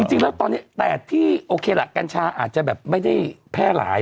จริงแล้วตอนนี้แต่ที่โอเคล่ะกัญชาอาจจะแบบไม่ได้แพร่หลาย